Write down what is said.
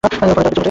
ফলে তারা পিছু হটে।